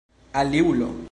aliulo